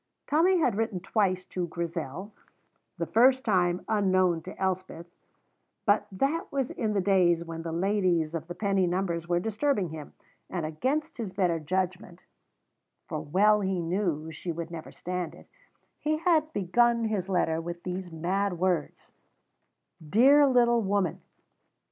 Tommy had written twice to Grizel, the first time unknown to Elspeth, but that was in the days when the ladies of the penny numbers were disturbing him, and, against his better judgment (for well he knew she would never stand it), he had begun his letter with these mad words: "Dear Little Woman."